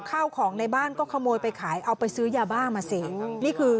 ข้าวของในบ้านก็ขโมยไปขายเอาไปซื้อยาบ้ามาเสพนี่คือ